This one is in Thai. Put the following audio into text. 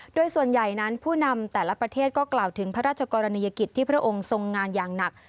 โดยส่วนใหญ่นั้นผู้นำแต่ละประเทศก็กล่าวถึงพระราชกรณียกิจที่พระองค์ทรงงานอย่างหนัก